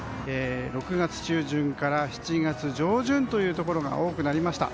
６月中旬から７月上旬というところが多くなりました。